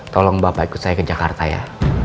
tolong bapak ikut saya ke jakarta ya